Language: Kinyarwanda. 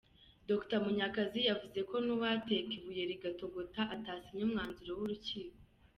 Dr Munyakazi yavuze ko n’uwateka ibuye rigatota atasinya umwanzuro w’urukiko.